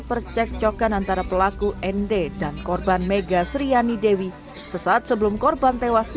percekcokan antara pelaku nd dan korban mega sriani dewi sesaat sebelum korban tewas di